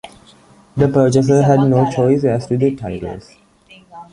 The purchaser had no choice as to the titles.